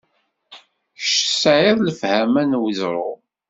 Kecc tesɛiḍ lefhama n weẓru.